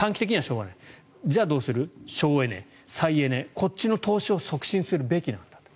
じゃあどうする省エネ、再エネこっちの投資を促進するべきなんだと。